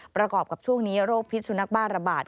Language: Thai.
ประกอบกับช่วงนี้โรคพิษสุนัขบ้าระบาด